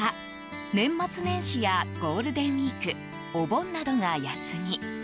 年末年始やゴールデンウィークお盆などが休み。